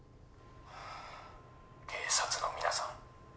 警察の皆さん